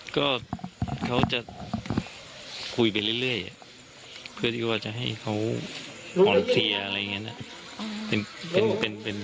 ก็เขาจะคุยไปเรื่อยเพื่อที่ว่าจะให้เขาอ่อนเพลียอะไรอย่างนี้นะ